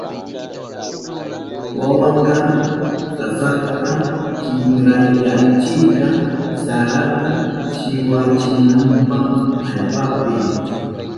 Wawaka tasata kinkrayachirka sarata shikwachinanpa allpapi.